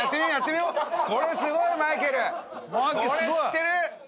これ知ってる！